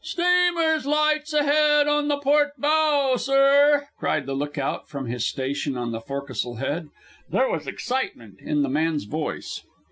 "Steamer's lights ahead on the port bow, sir!" cried the lookout from his station on the forecastle head. There was excitement in the man's voice.